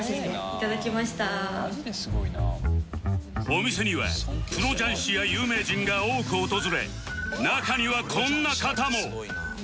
お店にはプロ雀士や有名人が多く訪れ中にはこんな方も！